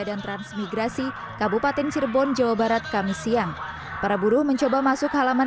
dan transmigrasi kabupaten cirebon jawa barat kami siang para buruh mencoba masuk halaman